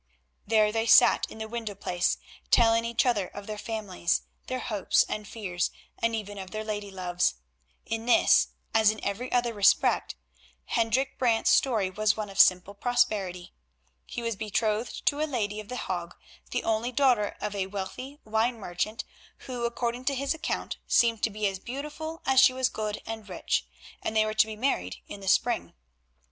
There they sat in the window place telling each other of their families, their hopes and fears, and even of their lady loves. In this, as in every other respect, Hendrik Brant's story was one of simple prosperity. He was betrothed to a lady of The Hague, the only daughter of a wealthy wine merchant, who, according to his account, seemed to be as beautiful as she was good and rich, and they were to be married in the spring.